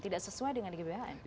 tidak sesuai dengan gbhn